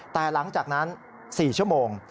แต่หลังจากนั้น๔ชั่วโมง